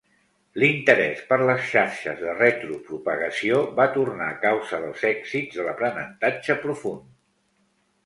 L'interès per les xarxes de retropropagació va tornar a causa dels èxits de l'aprenentatge profund.